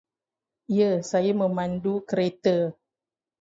Ya, saya memandu kereta.